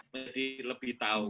jadi lebih tahu